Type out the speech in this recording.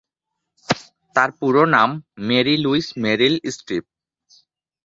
তার পুরো নাম "মেরি লুইস মেরিল স্ট্রিপ"।